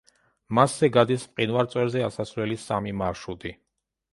მასზე გადის მყინვარწვერზე ასასვლელი სამი მარშრუტი.